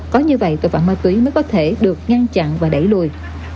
có như vậy tội phạm ma túy mới có thể được ngăn chặn và đẩy lùi